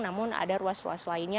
namun ada ruas ruas lainnya